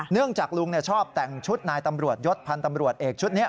เนื่องจากลุงชอบแต่งชุดนายตำรวจยศพันธ์ตำรวจเอกชุดนี้